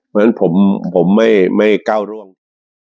เพราะฉะนั้นผมไม่ก้าวร่วง